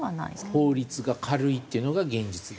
法律が軽いっていうのが現実ですね。